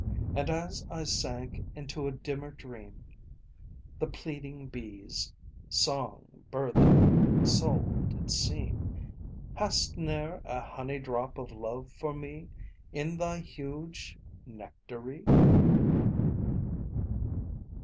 And as I sank into a dimmer dream The pleading bee's song burthen sole did seem: "Hast ne'er a honey drop of love for me In thy huge nectary?"